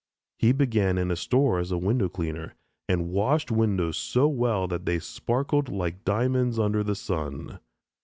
He began in a store as a window cleaner, and washed windows so well that they sparkled like diamonds under the sun.